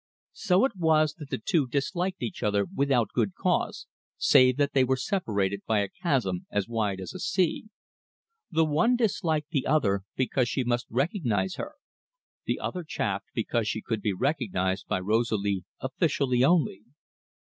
So it was that the two disliked each other without good cause, save that they were separated by a chasm as wide as a sea. The one disliked the other because she must recognise her; the other chafed because she could be recognised by Rosalie officially only.